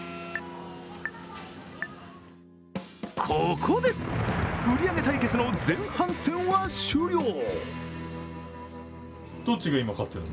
ここで、売り上げ対決の前半戦は終了。